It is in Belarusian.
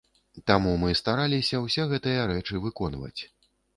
Таму мы стараліся ўсе гэтыя рэчы выконваць.